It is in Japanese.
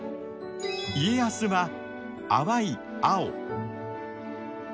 家康は淡い青。